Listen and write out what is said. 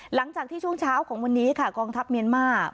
หลังจากที่ช่วงเช้าของวันนี้ค่ะกองทัพเมียนมาร์